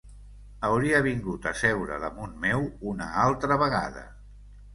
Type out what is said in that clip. Hauria vingut a seure damunt meu una altra vegada.